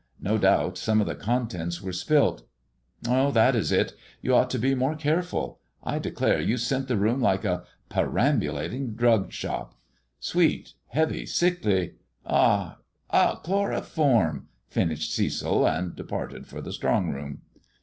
No doubt some of the contents were spilt." Oh, that is it ! You ought to be more careful. I declare you scent the room like a — perambulating drug shop. Sweet ! heavy ! sickly — ah ! ah ! Chloroform !" finished Cecil, and departed for the strong room.